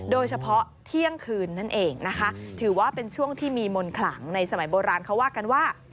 โดยเฉพาะเที่ยงคืนนั่นเองนะคะถือว่าเป็นช่วงที่มีมนต์ขลังในสมัยโบราณเขาว่ากันว่า